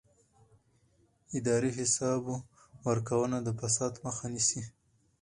اداري حساب ورکونه د فساد مخه نیسي